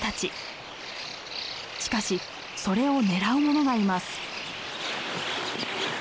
しかしそれを狙うものがいます。